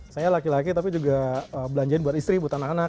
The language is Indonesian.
saya laki laki tapi juga belanjain buat istri buat anak anak